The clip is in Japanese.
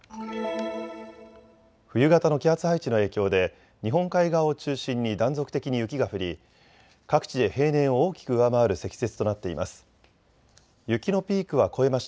冬型の気圧配置の影響で日本海側を中心に断続的に雪が降り各地で平年を大きく上回る積雪となっています。